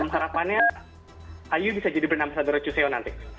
harapannya iu bisa jadi bernama sadara chuseo nanti